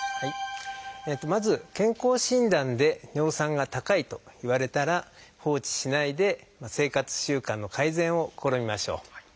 まず健康診断で尿酸が高いと言われたら放置しないで生活習慣の改善を試みましょう。